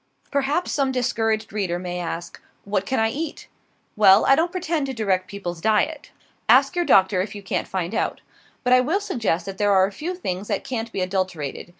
Perhaps some discouraged reader may ask, What can I eat? Well, I don't pretend to direct people's diet. Ask your doctor, if you can't find out. But I will suggest that there are a few things that can't be adulterated.